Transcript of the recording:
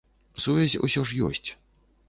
Сувязь усё ж ёсць.